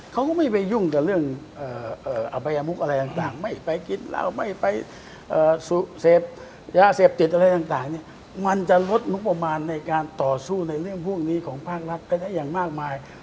เขาก็ไม่ไปยุ่งกับเรื่องอภัยมุกอะไรต่างไม่ไปกินเหล้าไม่ไปเสพยาเสพติดอะไรต่างเนี่ยมันจะลดงบประมาณในการต่อสู้ในเรื่องพวกนี้ของภาครัฐไปได้อย่างมากมาย